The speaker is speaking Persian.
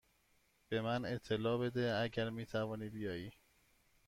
به من اطلاع بده اگر می توانی بیایی.